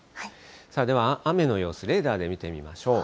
さあ、では雨の様子、レーダーで見てみましょう。